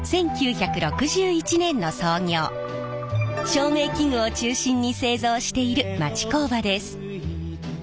照明器具を中心に製造している町工場です。